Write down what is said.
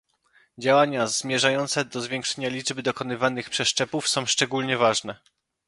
Działania zmierzające do zwiększania liczby dokonywanych przeszczepów są szczególnie ważne